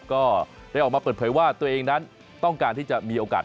ก็ได้ออกมาเปิดเผยว่าตัวเองนั้นต้องการที่จะมีโอกาส